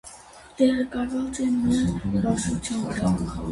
Տեղակայված է մ բարձրության վրա։